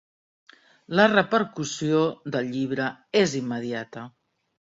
La repercussió del llibre és immediata.